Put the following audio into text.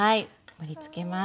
盛りつけます。